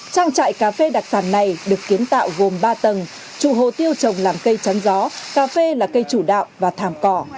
trang trại cà phê đặc sản này được kiến tạo gồm ba tầng chủ hồ tiêu trồng làm cây trắng gió cà phê là cây chủ đạo và thảm cỏ